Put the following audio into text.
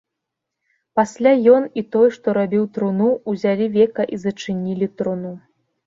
Пасля ён і той, што рабіў труну, узялі века і зачынілі труну.